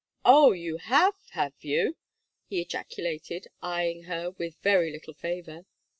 "Oh I you have have you!" he ejaculated eyeing her with very little favour.